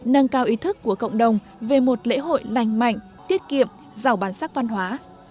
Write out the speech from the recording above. nâng cao ý thức của cộng đồng về một lễ hội lành mạnh tiết kiệm giàu bản sắc văn hóa